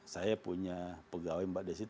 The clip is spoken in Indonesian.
saya punya pegawai mbak desi tujuh ribu orang